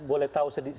boleh tahu sedikit